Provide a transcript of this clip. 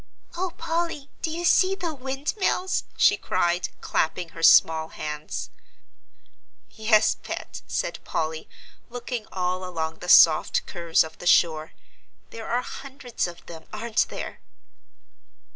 "Oh, Polly, do you see the windmills?" she cried, clapping her small hands. "Yes, Pet," said Polly, looking all along the soft curves of the shore, "there are hundreds of them, aren't there?"